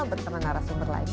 berteman arah sumber lain